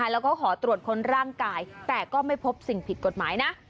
แล้วก็ขอตรวจค้นร่างกายแต่ก็ไม่พบสิ่งผิดกฎหมายนะ